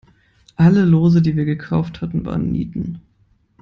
Alle Lose, die wir gekauft hatten, waren Nieten.